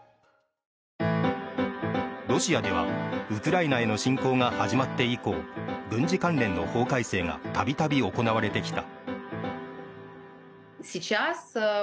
ロシアではウクライナへの侵攻が始まって以降軍事関連の法改正が度々行われてきた。